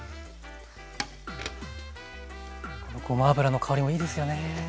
ごま油の香りもいいですよね。